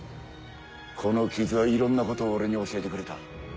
この傷はいろんなことを俺に教えてくれた。